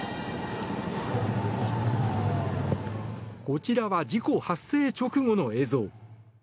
こちらは事故発生直後の映像。